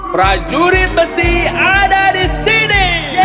prajurit besi ada di sini